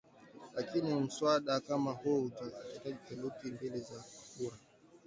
lakini mswada kama huo utahitaji theluthi mbili za kura